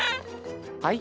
はい？